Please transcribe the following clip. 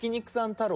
太郎。